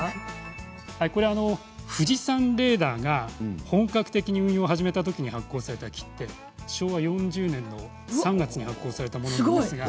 富士山レーダーが本格的に運用を始めたときに発行された切手で昭和４０年の３月に発行されました。